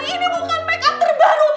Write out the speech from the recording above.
ini bukan makeup terbaru